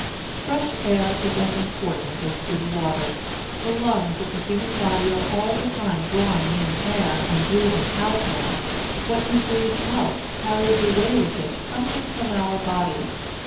Fresh air is as important as good water. The lungs of the human body are all the time drawing in air and breathing out air. What we breathe out carries away with it something from our bodies.